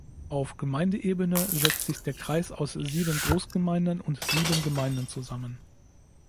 Auf Gemeindeebene setzt sich der Kreis aus sieben Großgemeinden und sieben Gemeinden zusammen.